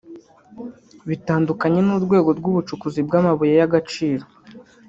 bitandukanye n’urwego rw’ubucukuzi bw’amabuye y’agaciro